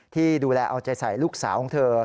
ที่ดูแลเอาใจใส่ลูกสาวของเธอ